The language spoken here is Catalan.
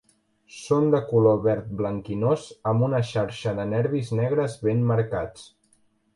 Són de color verd blanquinós amb una xarxa de nervis negres ben marcats.